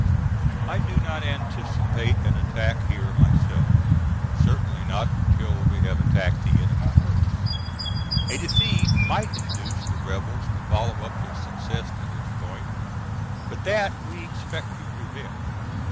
I do not anticipate an attack here myself, certainly not until we have attacked the enemy first. A defeat might induce the rebels to follow up their success to this point, but that we expect to prevent.